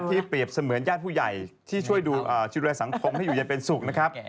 ที่เปรียบเสมือนย่านผู้ใหญ่ที่ช่วยดูชีวิตรวริสังคมให้อยู่อย่างเป็นสุขนะครับ